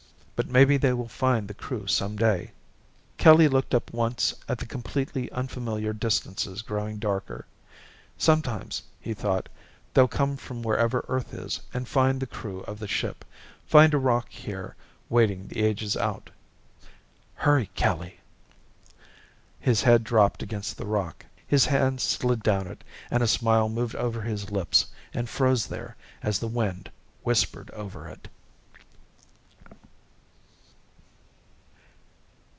But maybe they will find the Crew someday." Kelly looked up once at the completely unfamiliar distances growing darker. Sometime, he thought, they'll come from wherever Earth is and find the Crew of the ship, find a rock here waiting the ages out. "Hurry, Kelly!" His head dropped against the rock. His hands slid down it, and a smile moved over his lips and froze there as the wind whispered over it.